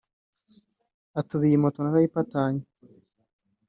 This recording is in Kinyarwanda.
Ati “Ubu iyi moto narayipatanye